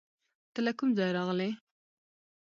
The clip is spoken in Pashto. ته له کوم ځایه راغلې؟